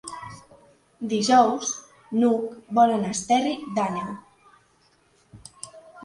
Dijous n'Hug vol anar a Esterri d'Àneu.